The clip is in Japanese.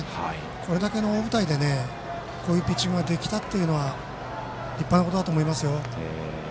これだけの大舞台でこういうピッチングができたのは立派なことだと思いますよ。